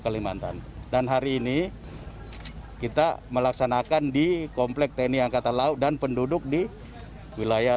kalimantan dan hari ini kita melaksanakan di komplek tni angkatan laut dan penduduk di wilayah